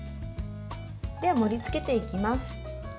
では、盛りつけていきます。